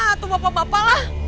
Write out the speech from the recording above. atau bapak bapak lah